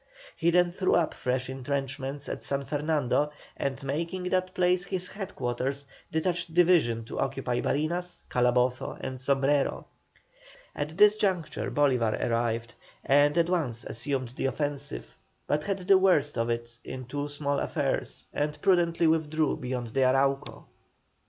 He then threw up fresh entrenchments at San Fernando, and making that place his head quarters, detached divisions to occupy Barinas, Calabozo, and Sombrero. At this juncture Bolívar arrived, and at once assumed the offensive, but had the worst of it in two small affairs, and prudently withdrew beyond the Arauco.